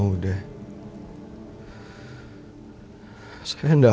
aku sudah berusaha untuk mengambil alih